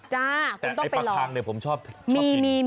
แต่ไอ้ปลาคังเนี่ยผมชอบกิน